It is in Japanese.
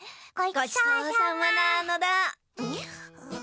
ごちそうさまなのだ。